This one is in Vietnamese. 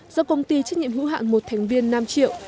do công ty trách nhiệm hữu hạn một thành viên nam triệu